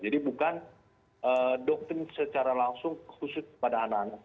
jadi bukan doktrin secara langsung khusus kepada anak anak